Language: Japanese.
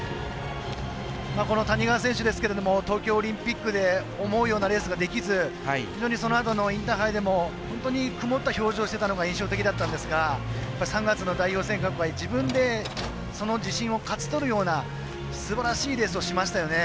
谷川選手ですけれども東京オリンピックでも思うようなレースができず非常にそのあとのインターハイでも曇った表情をしていたのが印象的だったんですが３月の代表選考会は自分で勝ち取るようなすばらしいレースをしましたよね。